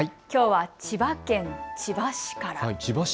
きょうは千葉県千葉市から。